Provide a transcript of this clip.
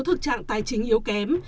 thực trạng tài chính yếu kém